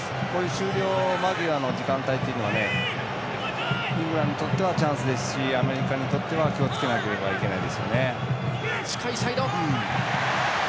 終了間際の時間帯はイングランドにとってはチャンスですしアメリカにとっては気をつけなければいけない。